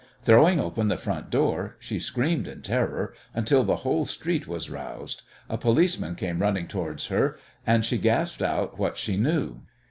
Throwing open the front door, she screamed in terror until the whole street was roused. A policeman came running towards her, and she gasped out what she knew.